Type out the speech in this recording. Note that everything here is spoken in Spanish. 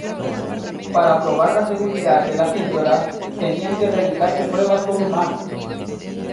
Para probar la seguridad de "la píldora", tenían que realizarse pruebas con humanos.